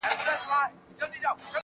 پام کوه بې پامه سترگي مه وهه~